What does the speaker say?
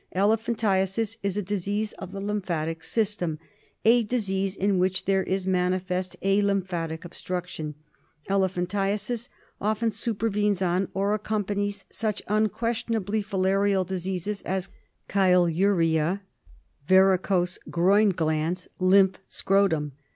Elephantiasis is a disease of the lymphatic system, a disease in which there is manifest a lymphatic obstruction. Elephantiasis often supervenes on or accompanies such unquestionably filarial diseases as chyluria, varicose groin glands, lymph scrotum.